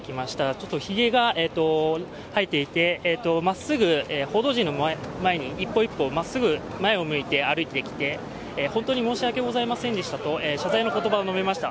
ちょっと髭が生えていて、まっすぐ報道陣の前に、一歩一歩まっすぐ前を向いて歩いてきて、本当に申し訳ございませんでしたと謝罪の言葉を述べました。